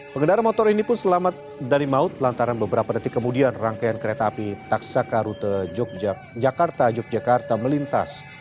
pengendara motor ini pun selamat dari maut lantaran beberapa detik kemudian rangkaian kereta api taksaka rute jakarta yogyakarta melintas